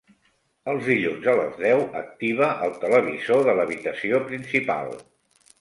Els dilluns a les deu activa el televisor de l'habitació principal.